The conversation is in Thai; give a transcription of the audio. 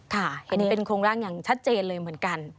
ค่ะเห็นเป็นโครงร่างอย่างชัดเจนเลยเหมือนกัน